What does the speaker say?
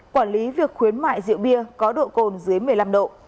quản lý việc khuyến mại rượu bia có độ cồn dưới một mươi năm độ